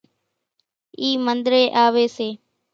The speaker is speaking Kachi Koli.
اِي منۮرين آوي سي